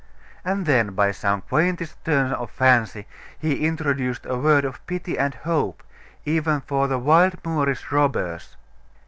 And then, by some quaintest turn of fancy, he introduced a word of pity and hope, even for the wild Moorish robbers.